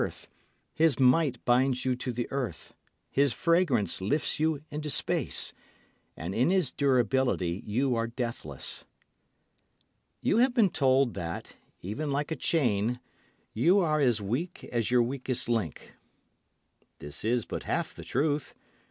His might binds you to the earth, his fragrance lifts you into space, and in his durability you are deathless. You have been told that, even like a chain, you are as weak as your weakest link. This is but half the truth.